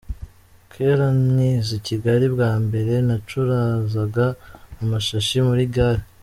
Kera nkiza i Kigali bwa mbere nacuruzaga amashashi muri gare.